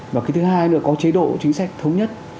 và thứ hai nữa là có chế độ chính sách thống nhất